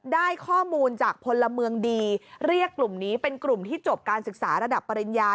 ได้ข้อมูลจากพลเมืองดีเรียกกลุ่มนี้เป็นกลุ่มที่จบการศึกษาระดับปริญญา